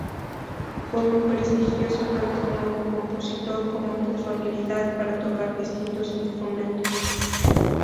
Fue muy prestigioso tanto como compositor como por su habilidad para tocar distintos instrumentos.